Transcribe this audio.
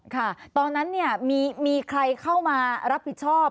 ค่ะตอนนั้นเนี่ยมีใครเข้ามารับผิดชอบ